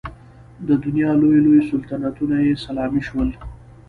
د دنیا لوی لوی سلطنتونه یې سلامي شول.